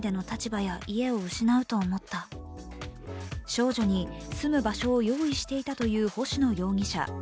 少女に住む場所を用意していたという星野容疑者。